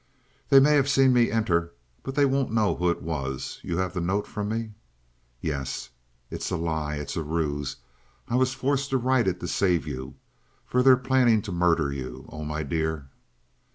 "They may have seen me enter, but they won't know who it was. You have the note from me?" "Yes." "It's a lie! It's a ruse. I was forced to write it to save you! For they're planning to murder you. Oh, my dear!"